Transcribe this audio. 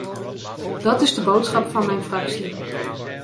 Dat is de boodschap van mijn fractie.